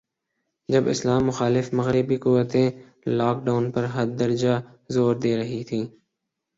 جب اسلام مخالف مغربی قوتیں, لاک ڈاون پر حد درجہ زور دے رہی تھیں